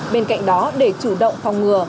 bên cạnh đó để chủ động phòng ngừa